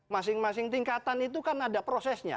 masing masing tingkatan itu kan ada prosesnya